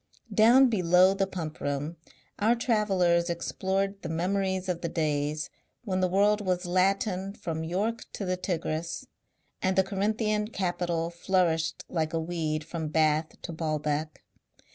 Down below the Pump Room our travellers explored the memories of the days when the world was Latin from York to the Tigris, and the Corinthian capital flourished like a weed from Bath to Baalbek.